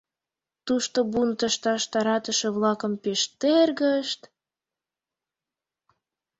Тушто бунт ышташ таратыше-влакым пеш тергышт...